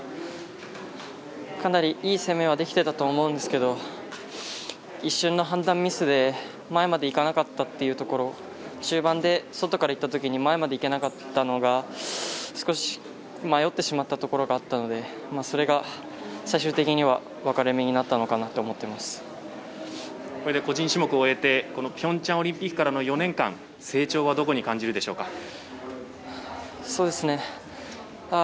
かなりいい攻めはできていたと思うんですけど一瞬の判断ミスで前まで行かなかったというところ中盤で外から行ったときに前まで行けなかったのが少し迷ってしまったところがあったのでそれが最終的には分かれ目になったのかなと個人種目を終えて平昌オリンピックからの４年間成長はどこに感じるでしょうか？